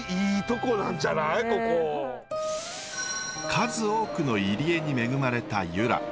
数多くの入り江に恵まれた由良。